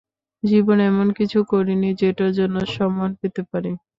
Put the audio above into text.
জীবনে এমন কিছু করিনি যেটার জন্য সম্মান পেতে পারি।